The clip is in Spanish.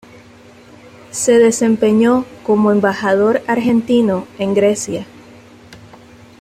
Se desempeñó como Embajador argentino en Grecia.